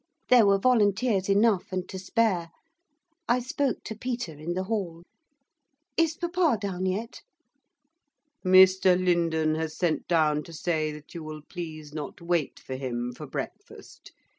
There were volunteers enough, and to spare. I spoke to Peter in the hall. 'Is papa down yet?' 'Mr Lindon has sent down to say that you will please not wait for him for breakfast.